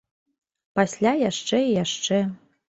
Пасля яшчэ і яшчэ.